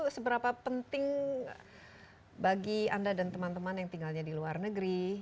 seberapa penting bagi anda dan teman teman yang tinggalnya di luar negeri